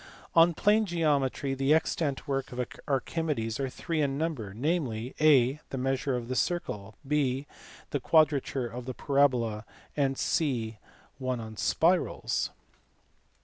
(i) On plane geometry the extant works of Archimedes are three in number, namely, (a) the Measure of the Circle, (b) the Quadrature of the Parabola, and (c) one on Spirals.